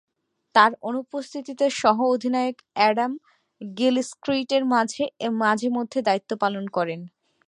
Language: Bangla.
তার অনুপস্থিতিতে সহঃ অধিনায়ক অ্যাডাম গিলক্রিস্ট মাঝে-মধ্যে এ দায়িত্ব পালন করতেন।